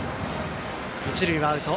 一塁はアウト。